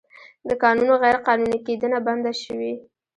د کانونو غیرقانوني کیندنه بنده شوې